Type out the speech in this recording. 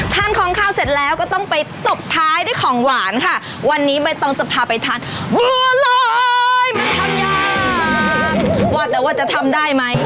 ทานของข้าวเสร็จแล้วก็ต้องไปตบท้ายด้วยของหวานค่ะวันนี้ใบตองจะพาไปทานบัวลอยมันทำยากว่าแต่ว่าจะทำได้ไหม